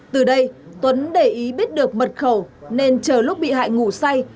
từ đây tuấn để ý biết được mật khẩu nên chờ lúc bị hại ngủ say